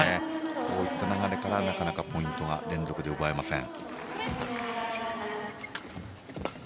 こういった流れからなかなかポイントが連続で奪えません。